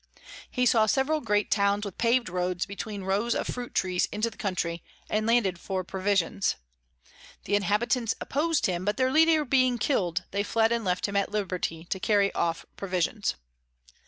He saw several great Towns with pav'd Roads between Rows of Fruit Trees into the Country, and landed for Provisions. The Inhabitants oppos'd him; but their Leader being kill'd, they fled and left him at liberty to carry off Provisions.